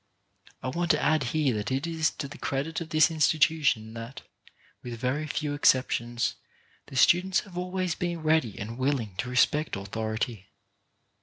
I want to add here that it is to the credit of this institution that, with very few exceptions, the students have always been ready and willing to respect authority.